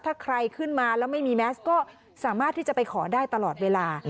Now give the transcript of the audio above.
ถ้าใครขึ้นมาแล้วไม่มีแมสก็สามารถที่จะไปขอได้ตลอดเวลา